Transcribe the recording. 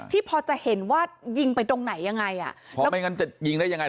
พอจะเห็นว่ายิงไปตรงไหนยังไงอ่ะแล้วไม่งั้นจะยิงได้ยังไง